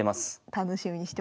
楽しみにしております。